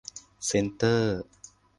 เซ็นเตอร์